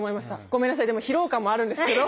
ごめんなさい疲労感もあるんですけど。